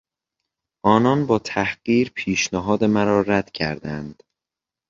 آنان با تحقیر پیشنهاد مرا رد کردند.